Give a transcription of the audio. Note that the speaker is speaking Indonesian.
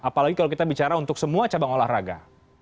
apalagi kalau kita bicara untuk semua cabang olahraga